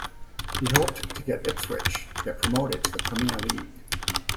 He hoped to help Ipswich get promoted to the Premier League.